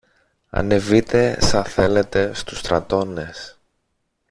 Ανεβείτε, σα θέλετε, στους στρατώνες